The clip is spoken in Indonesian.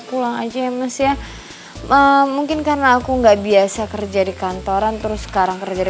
pulang aja ya mas ya mungkin karena aku nggak biasa kerja di kantoran terus sekarang kerja di